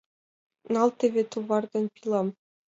Нал теве товар ден пилам.